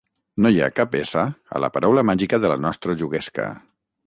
No hi ha cap essa a la paraula màgica de la nostra juguesca.